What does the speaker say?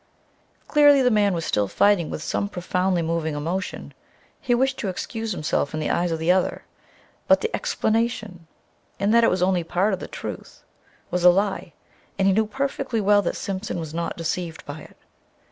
Clearly the man was still fighting with some profoundly moving emotion. He wished to excuse himself in the eyes of the other. But the explanation, in that it was only a part of the truth, was a lie, and he knew perfectly well that Simpson was not deceived by it.